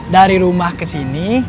dari rumah kesini